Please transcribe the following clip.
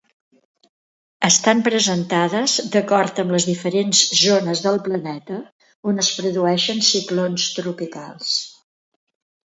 Estan presentades d'acord amb les diferents zones del planeta on es produeixen ciclons tropicals.